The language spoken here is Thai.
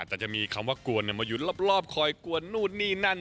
แต่จะมีคำว่ากวนมาหยุดรอบคอยกวนนู่นนี่นั่น